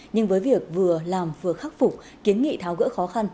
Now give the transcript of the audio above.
nhưng với việc vừa làm vừa khắc phục kiến nghị tháo gỡ khó khăn